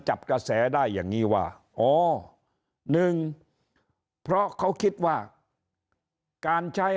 จับกระแสได้อย่างนี้ว่าอ๋อหนึ่งเพราะเขาคิดว่าการใช้